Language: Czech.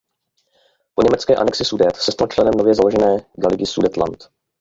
Po německé anexi Sudet se stal členem nově založené Gauligy Sudetenland.